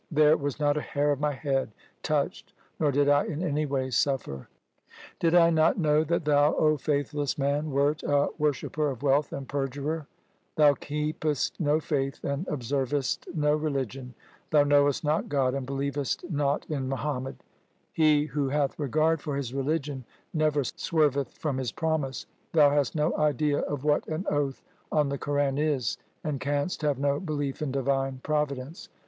There was not a hair of my head touched, nor did I in any way suffer. ' Did I not know that thou, O faithless man, wert a wor shipper of wealth and perjurer ? Thou keepest no faith and observest no religion. Thou knowest not God, and believest not in Muhammad. He who hath regard for his religion never swerveth from his promise. Thou hast no idea of what an oath on the Quran is, and canst have no belief in Divine Providence.